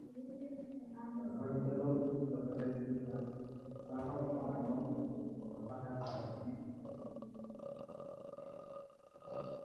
Randolph is located in the southern part of Dakota County.